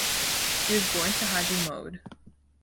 He was born to Haji Mohd.